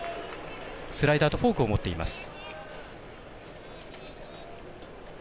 スライダーとフォークを持っています。